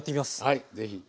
はい是非。